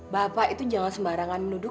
bapak itu jangan sembarangan duduk